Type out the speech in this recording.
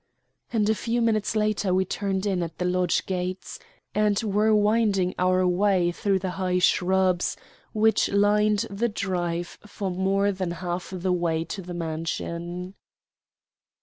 And a few minutes later we turned in at the lodge gates, and were winding our way through the high shrubs which lined the drive for more than half the way to the mansion.